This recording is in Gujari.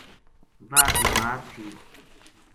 واہ بیمار تھی۔